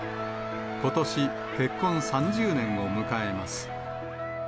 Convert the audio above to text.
ことし、結婚３０年を迎えます。